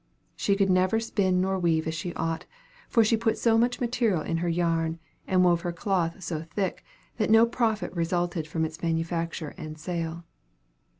She could neither spin nor weave as she ought; for she put so much material in her yarn, and wove her cloth so thick, that no profit resulted from its manufacture and sale.